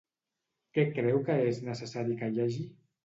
Què creu que és necessari que hi hagi?